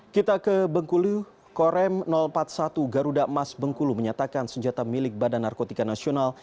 kita ke bengkulu korem empat puluh satu garuda emas bengkulu menyatakan senjata milik badan narkotika nasional